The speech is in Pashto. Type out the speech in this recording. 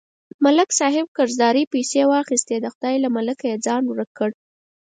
ملک صاحب قرضدارۍ پسې واخیست، د خدای له ملکه یې ځان ورک کړ.